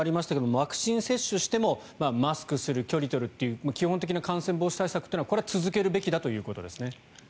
ワクチン接種してもマスクする、距離を取るという基本的な感染防止対策は続けるべきだということですね。